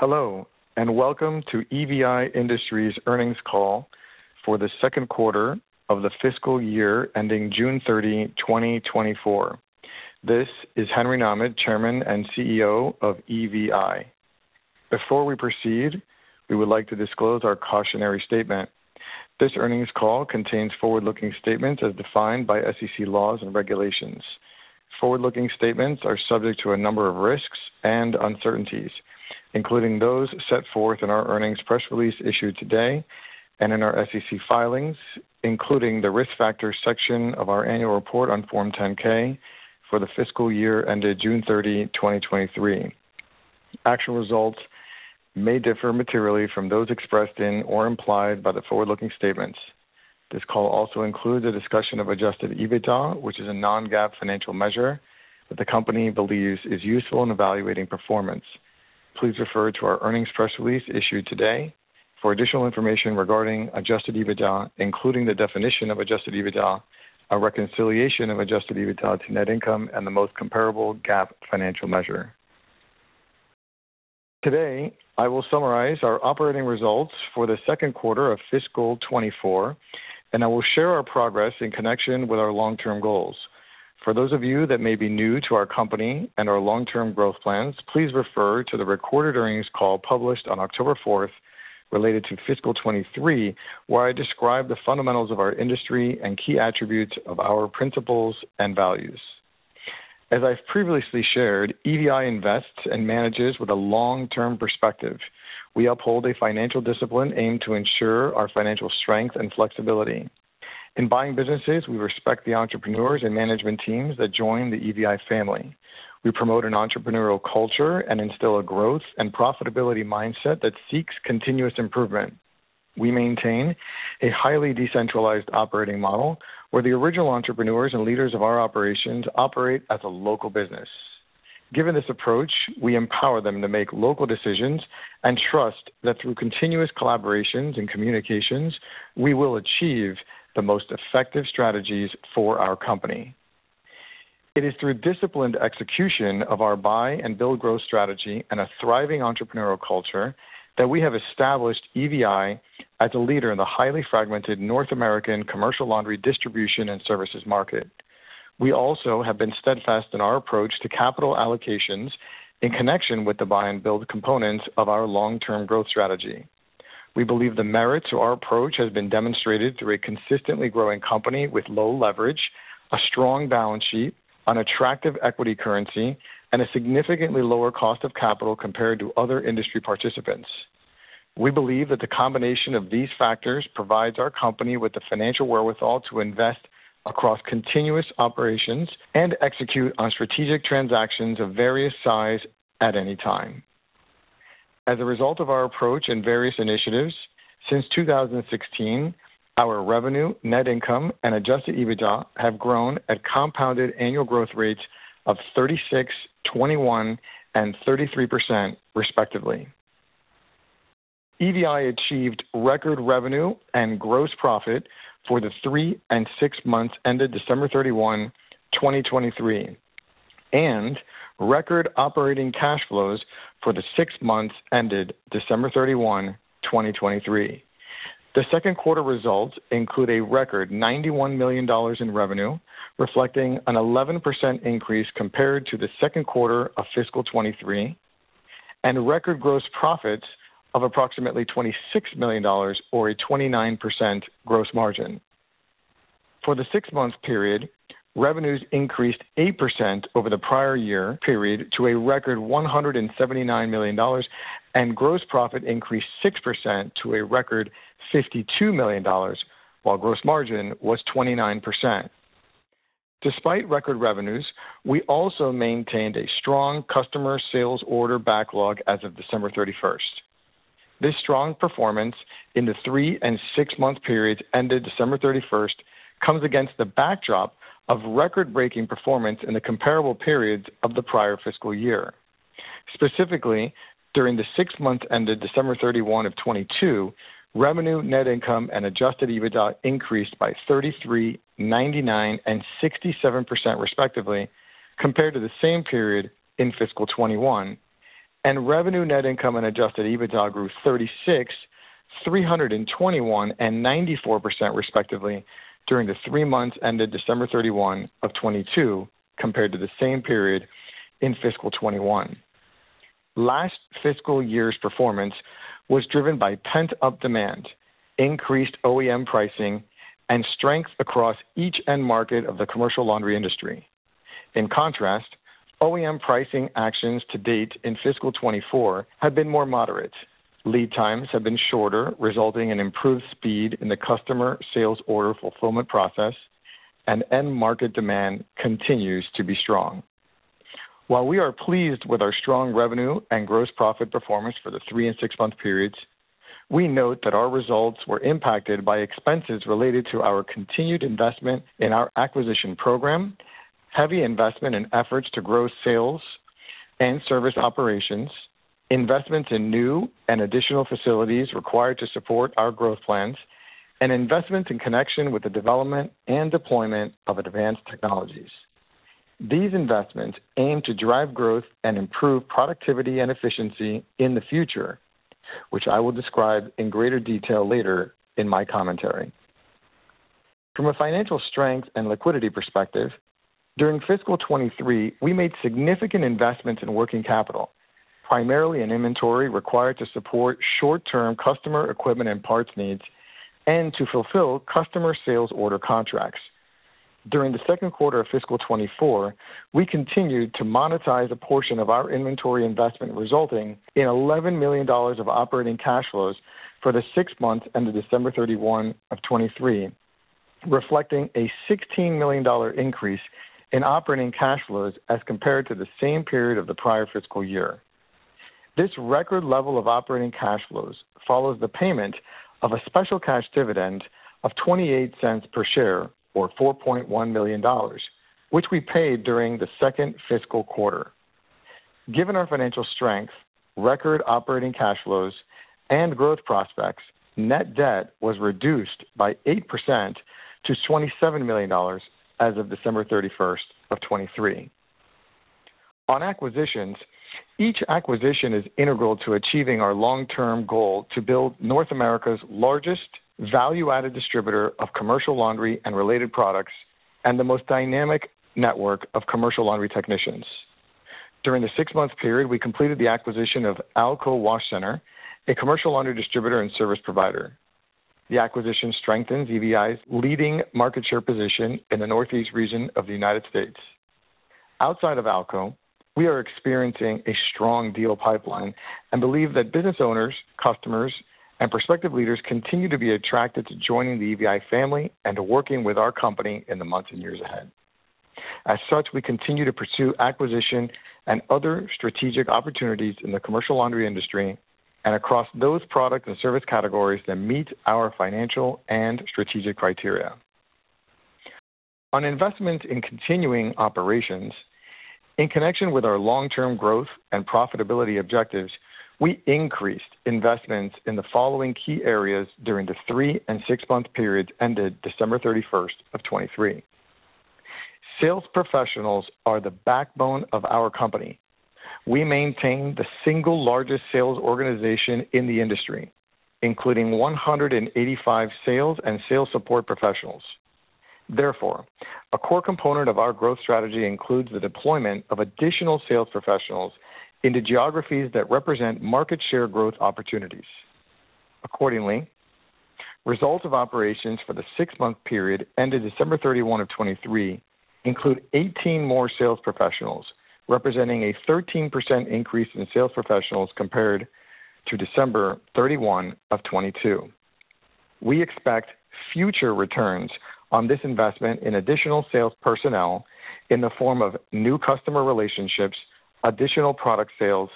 Hello and welcome to EVI Industries' earnings call for the second quarter of the fiscal year ending June 30, 2024. This is Henry Nahmad, Chairman and CEO of EVI. Before we proceed, we would like to disclose our cautionary statement. This earnings call contains forward-looking statements as defined by SEC laws and regulations. Forward-looking statements are subject to a number of risks and uncertainties, including those set forth in our earnings press release issued today and in our SEC filings, including the risk factors section of our annual report on Form 10-K for the fiscal year ended June 30, 2023. Actual results may differ materially from those expressed in or implied by the forward-looking statements. This call also includes a discussion of Adjusted EBITDA, which is a non-GAAP financial measure that the company believes is useful in evaluating performance. Please refer to our earnings press release issued today for additional information regarding Adjusted EBITDA, including the definition of Adjusted EBITDA, a reconciliation of Adjusted EBITDA to net income, and the most comparable GAAP financial measure. Today, I will summarize our operating results for the second quarter of fiscal 2024, and I will share our progress in connection with our long-term goals. For those of you that may be new to our company and our long-term growth plans, please refer to the recorded earnings call published on October 4th related to fiscal 2023, where I describe the fundamentals of our industry and key attributes of our principles and values. As I've previously shared, EVI invests and manages with a long-term perspective. We uphold a financial discipline aimed to ensure our financial strength and flexibility. In buying businesses, we respect the entrepreneurs and management teams that join the EVI family. We promote an entrepreneurial culture and instill a growth and profitability mindset that seeks continuous improvement. We maintain a highly decentralized operating model where the original entrepreneurs and leaders of our operations operate as a local business. Given this approach, we empower them to make local decisions and trust that through continuous collaborations and communications, we will achieve the most effective strategies for our company. It is through disciplined execution of our buy and build growth strategy and a thriving entrepreneurial culture that we have established EVI as a leader in the highly fragmented North American commercial laundry distribution and services market. We also have been steadfast in our approach to capital allocations in connection with the buy and build components of our long-term growth strategy. We believe the merit to our approach has been demonstrated through a consistently growing company with low leverage, a strong balance sheet, an attractive equity currency, and a significantly lower cost of capital compared to other industry participants. We believe that the combination of these factors provides our company with the financial wherewithal to invest across continuous operations and execute on strategic transactions of various size at any time. As a result of our approach and various initiatives, since 2016, our revenue, net income, and Adjusted EBITDA have grown at compounded annual growth rates of 36%, 21%, and 33%, respectively. EVI achieved record revenue and gross profit for the three and six months ended December 31, 2023, and record operating cash flows for the six months ended December 31, 2023. The second quarter results include a record $91 million in revenue, reflecting an 11% increase compared to the second quarter of fiscal 2023, and record gross profits of approximately $26 million or a 29% gross margin. For the six-month period, revenues increased 8% over the prior year period to a record $179 million and gross profit increased 6% to a record $52 million while gross margin was 29%. Despite record revenues, we also maintained a strong customer sales order backlog as of December 31st. This strong performance in the three and six-month periods ended December 31st comes against the backdrop of record-breaking performance in the comparable periods of the prior fiscal year. Specifically, during the six months ended December 31, 2022, revenue, net income, and Adjusted EBITDA increased by 33%, 99%, and 67%, respectively, compared to the same period in fiscal 2021, and revenue, net income, and Adjusted EBITDA grew 36%, 321%, and 94%, respectively, during the three months ended December 31, 2022 compared to the same period in fiscal 2021. Last fiscal year's performance was driven by pent-up demand, increased OEM pricing, and strength across each end market of the commercial laundry industry. In contrast, OEM pricing actions to date in fiscal 2024 have been more moderate, lead times have been shorter resulting in improved speed in the customer sales order fulfillment process, and end market demand continues to be strong. While we are pleased with our strong revenue and gross profit performance for the three and six-month periods, we note that our results were impacted by expenses related to our continued investment in our acquisition program, heavy investment in efforts to grow sales and service operations, investments in new and additional facilities required to support our growth plans, and investments in connection with the development and deployment of advanced technologies. These investments aim to drive growth and improve productivity and efficiency in the future, which I will describe in greater detail later in my commentary. From a financial strength and liquidity perspective, during fiscal 2023, we made significant investments in working capital, primarily in inventory required to support short-term customer equipment and parts needs and to fulfill customer sales order contracts. During the second quarter of fiscal 2024, we continued to monetize a portion of our inventory investment resulting in $11 million of operating cash flows for the six months ended December 31, 2023, reflecting a $16 million increase in operating cash flows as compared to the same period of the prior fiscal year. This record level of operating cash flows follows the payment of a special cash dividend of $0.28 per share or $4.1 million, which we paid during the second fiscal quarter. Given our financial strength, record operating cash flows, and growth prospects, net debt was reduced by 8% to $27 million as of December 31, 2023. On acquisitions, each acquisition is integral to achieving our long-term goal to build North America's largest value-added distributor of commercial laundry and related products and the most dynamic network of commercial laundry technicians. During the six-month period, we completed the acquisition of Alco Washer Center, a commercial laundry distributor and service provider. The acquisition strengthens EVI's leading market share position in the Northeast region of the United States. Outside of ALCO, we are experiencing a strong deal pipeline and believe that business owners, customers, and prospective leaders continue to be attracted to joining the EVI family and working with our company in the months and years ahead. As such, we continue to pursue acquisition and other strategic opportunities in the commercial laundry industry and across those products and service categories that meet our financial and strategic criteria. On investments in continuing operations, in connection with our long-term growth and profitability objectives, we increased investments in the following key areas during the three and six-month periods ended December 31, 2023. Sales professionals are the backbone of our company. We maintain the single largest sales organization in the industry, including 185 sales and sales support professionals. Therefore, a core component of our growth strategy includes the deployment of additional sales professionals into geographies that represent market share growth opportunities. Accordingly, results of operations for the six-month period ended December 31, 2023 include 18 more sales professionals representing a 13% increase in sales professionals compared to December 31, 2022. We expect future returns on this investment in additional sales personnel in the form of new customer relationships, additional product sales,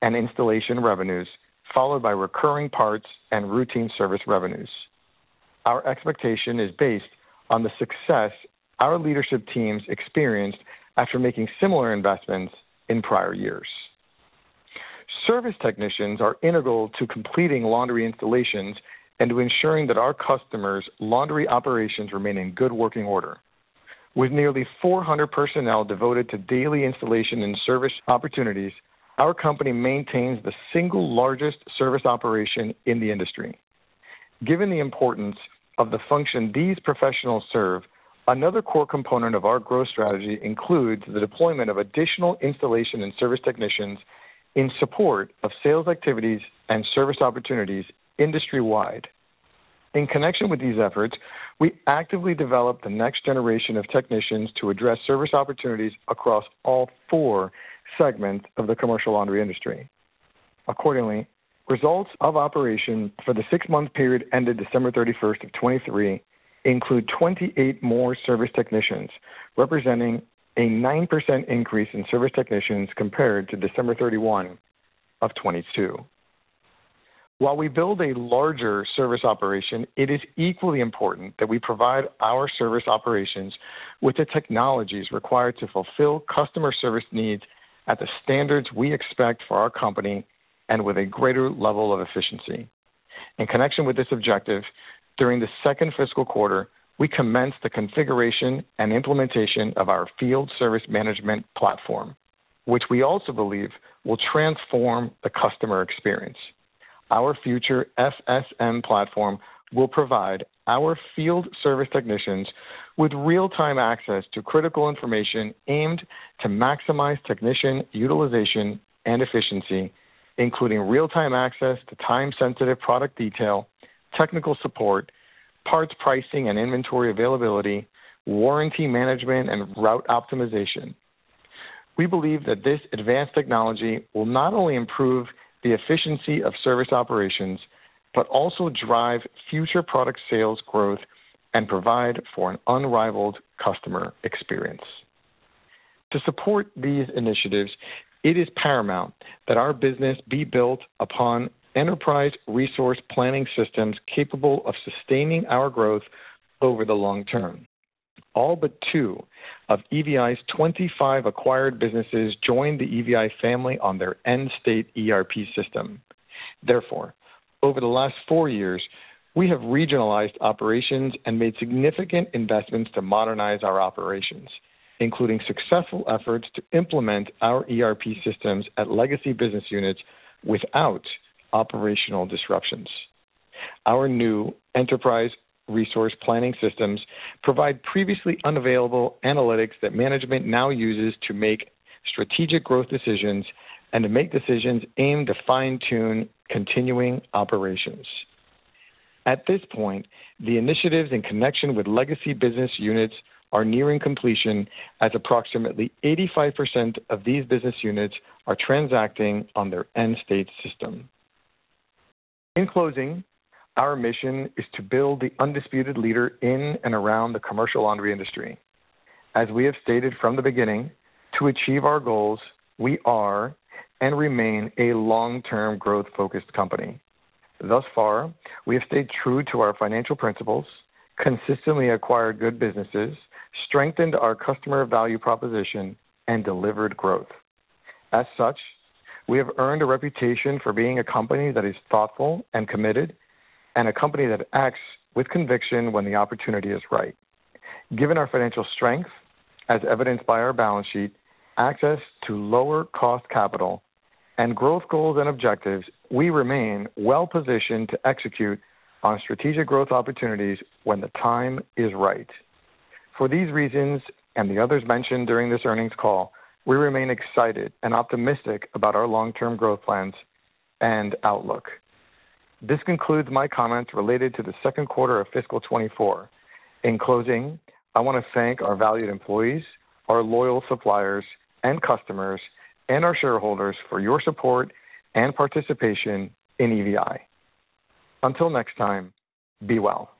and installation revenues, followed by recurring parts and routine service revenues. Our expectation is based on the success our leadership teams experienced after making similar investments in prior years. Service technicians are integral to completing laundry installations and to ensuring that our customers' laundry operations remain in good working order. With nearly 400 personnel devoted to daily installation and service opportunities, our company maintains the single largest service operation in the industry. Given the importance of the function these professionals serve, another core component of our growth strategy includes the deployment of additional installation and service technicians in support of sales activities and service opportunities industry-wide. In connection with these efforts, we actively develop the next generation of technicians to address service opportunities across all four segments of the commercial laundry industry. Accordingly, results of operation for the six-month period ended December 31, 2023 include 28 more service technicians representing a 9% increase in service technicians compared to December 31, 2022. While we build a larger service operation, it is equally important that we provide our service operations with the technologies required to fulfill customer service needs at the standards we expect for our company and with a greater level of efficiency. In connection with this objective, during the second fiscal quarter, we commence the configuration and implementation of our field service management platform, which we also believe will transform the customer experience. Our future FSM platform will provide our field service technicians with real-time access to critical information aimed to maximize technician utilization and efficiency, including real-time access to time-sensitive product detail, technical support, parts pricing and inventory availability, warranty management, and route optimization. We believe that this advanced technology will not only improve the efficiency of service operations but also drive future product sales growth and provide for an unrivaled customer experience. To support these initiatives, it is paramount that our business be built upon enterprise resource planning systems capable of sustaining our growth over the long term. All but two of EVI's 25 acquired businesses joined the EVI family on their end state ERP system. Therefore, over the last four years, we have regionalized operations and made significant investments to modernize our operations, including successful efforts to implement our ERP systems at legacy business units without operational disruptions. Our new enterprise resource planning systems provide previously unavailable analytics that management now uses to make strategic growth decisions and to make decisions aimed to fine-tune continuing operations. At this point, the initiatives in connection with legacy business units are nearing completion as approximately 85% of these business units are transacting on their end state system. In closing, our mission is to build the undisputed leader in and around the commercial laundry industry. As we have stated from the beginning, to achieve our goals, we are and remain a long-term growth-focused company. Thus far, we have stayed true to our financial principles, consistently acquired good businesses, strengthened our customer value proposition, and delivered growth. As such, we have earned a reputation for being a company that is thoughtful and committed and a company that acts with conviction when the opportunity is right. Given our financial strength, as evidenced by our balance sheet, access to lower-cost capital, and growth goals and objectives, we remain well-positioned to execute on strategic growth opportunities when the time is right. For these reasons and the others mentioned during this earnings call, we remain excited and optimistic about our long-term growth plans and outlook. This concludes my comments related to the second quarter of fiscal 2024. In closing, I want to thank our valued employees, our loyal suppliers and customers, and our shareholders for your support and participation in EVI. Until next time, be well.